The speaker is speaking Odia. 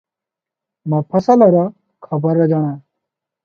ମଫସଲର ଖବର ଜଣା ।